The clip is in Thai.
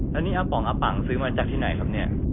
แล้วนี่อาป๋องอาปังซื้อมาจากที่ไหนครับเนี่ย